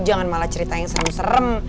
jangan malah cerita yang serem serem